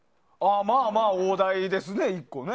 まあまあ大台ですね。